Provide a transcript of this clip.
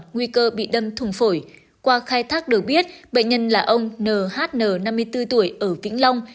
nguy cơ bị đâm thùng phổi qua khai thác được biết bệnh nhân là ông nhn năm mươi bốn tuổi ở vĩnh long